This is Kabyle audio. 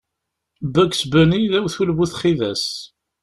Bugs Bunny d awtul bu txidas.